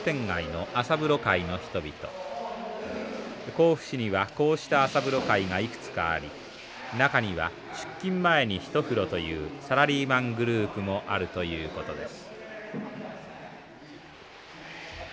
甲府市にはこうした朝風呂会がいくつかあり中には出勤前にひと風呂というサラリーマングループもあるということです。